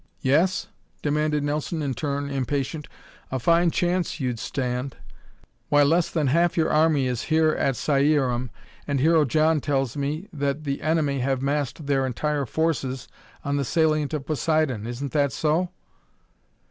"Yes?" demanded Nelson, in turn impatient. "A fine chance you'd stand! Why, less than half of your army is here at Cerium and Hero John tells me that the enemy have massed their entire forces on the salient of Poseidon. Isn't that so?"